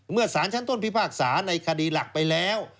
สารชั้นต้นพิพากษาในคดีหลักไปแล้ว